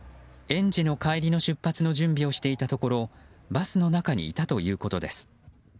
園児の帰りの出発の準備をしていたところバスの中にいたということです。